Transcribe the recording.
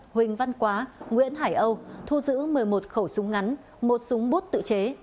huỳnh văn quá nguyễn hải âu thu giữ một mươi một khẩu súng ngắn một súng bút tự chế